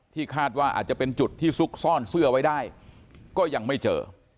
คาดว่าอาจจะเป็นจุดที่ซุกซ่อนเสื้อไว้ได้ก็ยังไม่เจอ